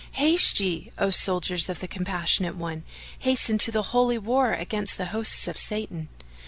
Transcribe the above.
haste ye! O soldiers of the Compassionate One, hasten to the Holy War against the hosts of Satan!"